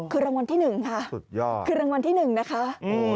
คือรางวัลที่๑ค่ะคือรางวัลที่๑นะคะสุดยอด